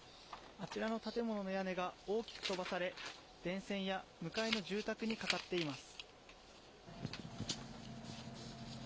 あちらの建物の屋根が大きく飛ばされ、電線や向かいの住宅にかかっています。